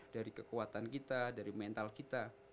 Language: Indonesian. dari kekuatan kita dari mental kita